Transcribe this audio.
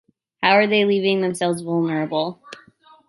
How they are leaving themselves vulnerable.